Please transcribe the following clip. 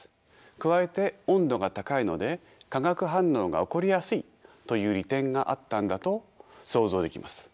加えて温度が高いので化学反応が起こりやすいという利点があったんだと想像できます。